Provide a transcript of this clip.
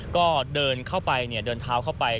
ก็เดินเข้าไปเดินเท้าเข้าไป